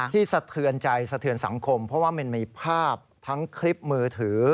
สะเทือนใจสะเทือนสังคมเพราะว่ามันมีภาพทั้งคลิปมือถือ